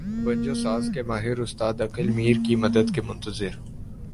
بنجو ساز کے ماہر استاد عقل میر کی مدد کے منتظر